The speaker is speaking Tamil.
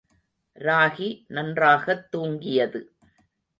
ராகி நன்றாகத் தூங்கியது.